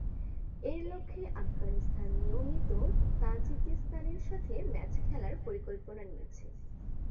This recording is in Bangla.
এর লক্ষ্যে আফগানিস্তান নিয়মিত তাজিকিস্তানের সাথে ম্যাচ খেলার পরিকল্পনা নিয়েছে।